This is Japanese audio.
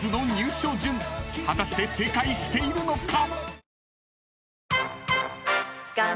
［果たして正解しているのか？］